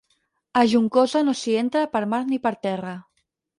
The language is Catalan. A Juncosa no s'hi entra per mar ni per terra.